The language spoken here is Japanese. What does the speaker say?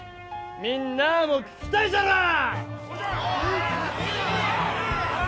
みんなあも聞きたいじゃろう？